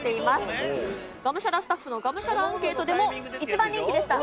がむしゃらスタッフのがむしゃらアンケートでも一番人気でした。